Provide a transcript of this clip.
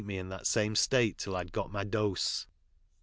me in that S ^e state till i ; a got my dose.